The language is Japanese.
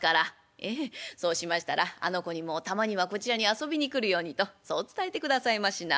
「ええそうしましたらあの子にもたまにはこちらに遊びに来るようにとそう伝えてくださいましな」。